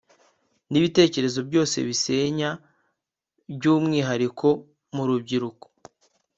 n ibindi bitekerezo byose bisenya by umwihariko mu rubyiruko